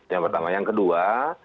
yang pertama yang kedua